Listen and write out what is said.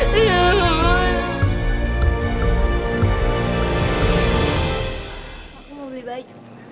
aku mau beli baju